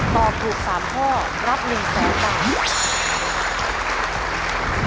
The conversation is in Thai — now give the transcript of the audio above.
ตอบถูกสามข้อรับ๑แซวตาก